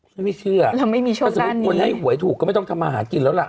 ฉันไม่เชื่อถ้าสมมุติคนให้หวยถูกก็ไม่ต้องทำอาหารกินแล้วล่ะ